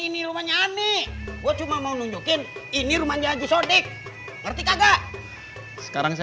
ini rumahnya ani gua cuma mau nunjukin ini rumahnya haji sodiq ngerti kagak sekarang